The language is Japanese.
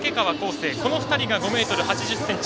生この２人が５ｍ８０ｃｍ。